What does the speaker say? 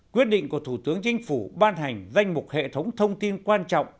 quyết định của thủ tướng chính phủ ban hành danh mục hệ thống thông tin quan trọng